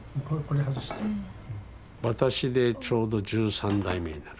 私でちょうど１３代目になる。